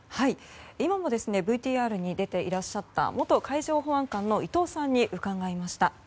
今もＶＴＲに出ていらっしゃった元海上保安監の伊藤さんに伺いました。